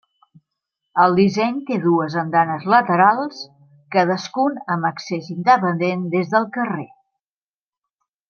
El disseny té dues andanes laterals, cadascun amb accés independent des del carrer.